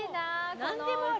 何でもある。